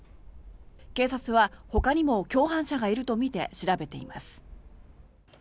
警察は、ほかにも共犯者がいるとみて調べています。